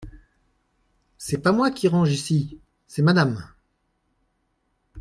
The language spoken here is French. C’est pas moi qui range ici !… c’est Madame.